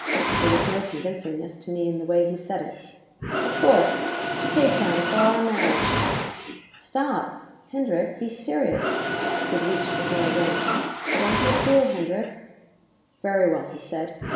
There was no convincingness to me in the way he said it. "Of course. To Cape Town for our marriage." "Stop! Hendrick, be serious!" He had reached for her again. "Don't be a fool, Hendrick." "Very well," he said.